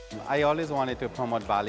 saya selalu ingin mempromosi bali